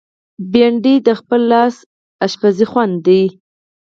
بېنډۍ د خپل لاس پخلي خوند دی